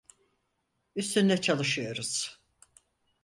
Üstünde çalışıyoruz.